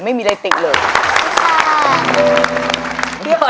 ไม่มีอะไรติดเลยขอบคุณค่ะขอบคุณค่ะ